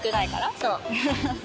そう。